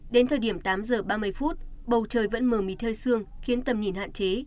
đến thời điểm tám giờ ba mươi phút bầu trời vẫn mờ mịt hơi sương khiến tầm nhìn hạn chế